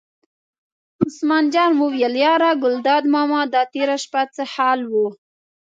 عثمان جان وویل: یاره ګلداد ماما دا تېره شپه څه حال و.